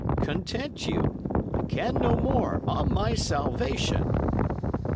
Content you; I can no more, on my salvation!"